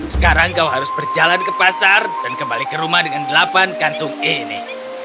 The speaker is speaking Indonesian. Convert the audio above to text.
sekarang kau harus berjalan ke pasar dan kembali ke rumah dengan delapan kantung ini